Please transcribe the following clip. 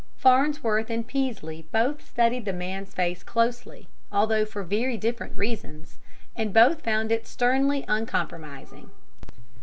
Farnsworth and Peaslee both studied the man's face closely, although for very different reasons, and both found it sternly uncompromising.